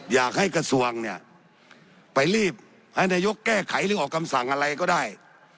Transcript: อยากให้กระทรวงเนี่ยไปรีบให้นายกแก้ไขหรือออกคำสั่งอะไรก็ได้